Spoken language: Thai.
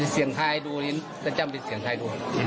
เสียงไทยดูจะจำเป็นเสียงไทยดู